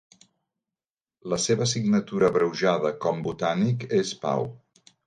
La seva signatura abreujada com botànic és Pau.